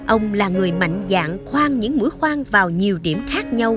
ông là người mạnh dạng khoan những mũi khoan vào nhiều điểm khác nhau